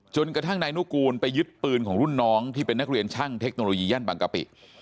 จนกระทั่งนายนุกูลไปยึดปืนของรุ่นน้องที่เป็นนักเรียนช่างเทคโนโลยีย่านบางกะปิ